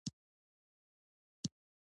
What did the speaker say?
د کوچنۍ خور سترګې یې په ما کې خښې وې